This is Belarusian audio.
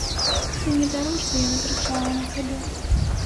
Ты мне даруй, што я накрычала на цябе.